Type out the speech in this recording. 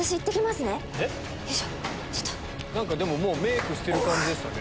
何かもうメイクしてる感じでしたね。